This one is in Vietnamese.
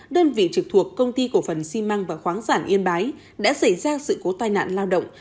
đơn vị trực thuộc công ty cổ phần xi măng và khoáng sản yên bái đã xảy ra sự cố tai nạn lao động